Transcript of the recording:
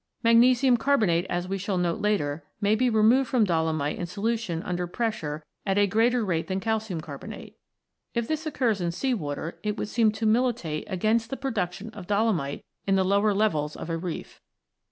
Magnesium carbonate, as we shall note later, may be removed from dolomite in solution under pressure at a greater rate than calcium ii] THE LIMESTONES 31 carbonate. If this occurs in sea water, it would seem to militate against the production of dolomite in the lower levels of a reef.